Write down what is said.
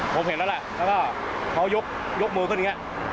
ผมเห็นแล้วล่ะแล้วก็เขายกมือขึ้นอย่างนี้